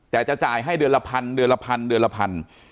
แต่จะจ่ายให้เดือนละพันเดือนละพันเดือนละพัน